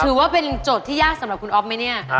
ถือว่าเป็นจดที่ยากสำหรับคุณออฟไหมเนี่ย